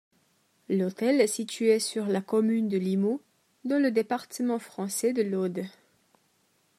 L'hôtel est situé sur la commune de Limoux, dans le département français de l'Aude.